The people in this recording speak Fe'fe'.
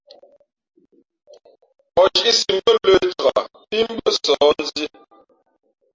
Pα̌h nzhíʼsī mbʉ́ά lə̄ cak pǐ mbʉ́ά sǒh ndhī.